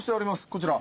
こちら。